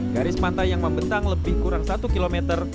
garis pantai yang membentang lebih kurang satu kilometer